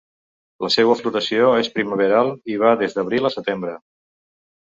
La seua floració és primaveral i va des d'abril a setembre.